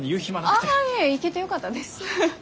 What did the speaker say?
ああいえ行けてよかったです。